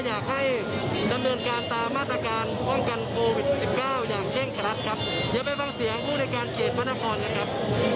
อย่างเกร็งกลั๊ดครับเดี๋ยวไปฟังเสียงผู้ในการเขตพันธครณ์นะครับ